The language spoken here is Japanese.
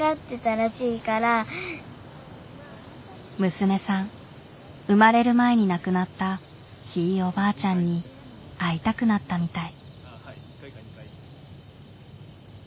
娘さん生まれる前に亡くなったひいおばあちゃんに会いたくなったみたい。